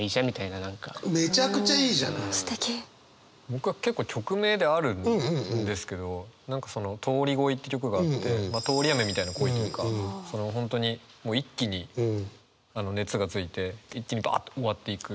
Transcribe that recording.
僕は結構曲名であるんですけど何かその「通り恋」っていう曲があって通り雨みたいな恋というか本当に一気に熱がついて一気にばあっと終わっていく。